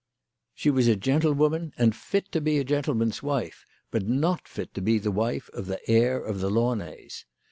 She was a gentlewoman, and fit to be a gentleman's wife, but not fit to be the wife of the heir of the Launays.